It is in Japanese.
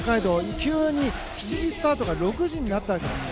急に７時スタートが６時になったんですよ。